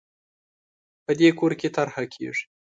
په دې کور کې طرحه کېږي